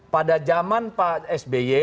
pada zaman pak sby